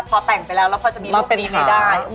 พอแต่งไปแล้วแล้วพอจะมีลูกจะได้